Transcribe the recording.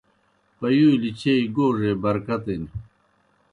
پیُولیْ چیئی گوڙے برکتِن۔